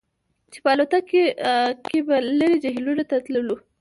چې په الوتکه کې به لرې جهیلونو ته تللو